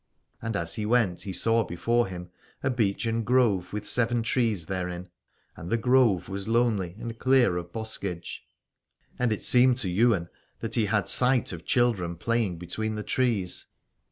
And as he went he saw before him a beechen grove with seven trees therein : and the grove was lonely and clear of boskage, and it seemed to Ywain 184 Alad ore that he had sight of children playing between the trees.